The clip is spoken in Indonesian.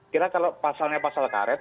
kira kalau pasalnya pasal karet